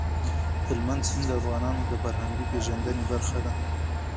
هلمند سیند د افغانانو د فرهنګي پیژندنې برخه ده.